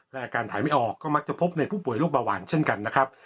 และอาการถ่ายไม่ออกก็มักจะพบในผู้ป่วยโรคเบาหวานเช่นกันนะครับ